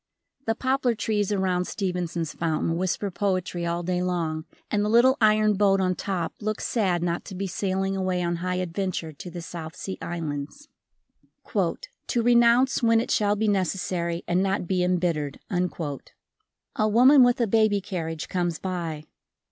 The poplar trees around Stevenson's fountain whisper poetry all day long and the little iron boat on top looks sad not to be sailing away on high adventure to the South Sea islands. "To renounce when it shall be necessary and not be embittered." A woman with a baby carriage comes by.